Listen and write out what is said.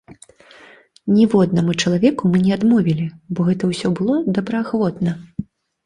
Ніводнаму чалавеку мы не адмовілі, бо гэта ўсё было добраахвотна.